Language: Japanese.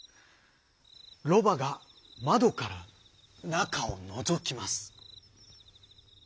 ロバが窓から中をのぞきます。